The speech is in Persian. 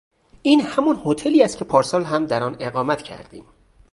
این همان هتلی است که پارسال هم در آن اقامت کردیم.